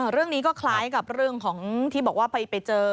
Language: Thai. เรื่องนี้ก็คล้ายกับเรื่องของที่บอกว่าไปเจอ